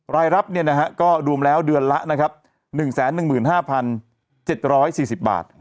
รายรับก็รวมแล้วเดือนละนะครับ๑๑๕๗๔๐บาท